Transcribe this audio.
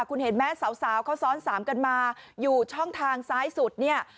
คุณเห็นไหมสาวเขาซ้อนสามกันมาอยู่ช่องทางซ้ายสุดเนี่ย